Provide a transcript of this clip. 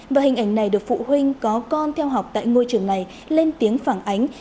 và hình ảnh này được phụ huynh có con theo học tại ngôi trường này lên tiếng phản ánh